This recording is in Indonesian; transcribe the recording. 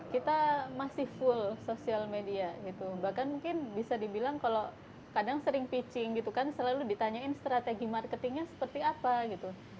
kita masih full social media gitu bahkan mungkin bisa dibilang kalau kadang sering pitching gitu kan selalu ditanyain strategi marketingnya seperti apa gitu